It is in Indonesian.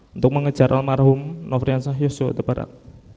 untuk mengejar almarhum nofrian sohayoso the barat